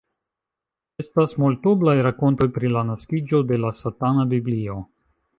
Estas multoblaj rakontoj pri la naskiĝo de "La Satana Biblio.